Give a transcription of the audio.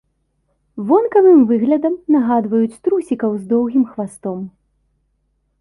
Вонкавым выглядам нагадваюць трусікаў з доўгім хвастом.